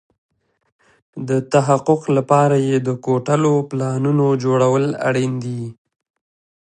د تحقق لپاره يې د کوټلو پلانونو جوړول اړين دي.